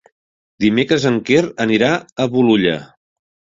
Dimecres en Quer anirà a Bolulla.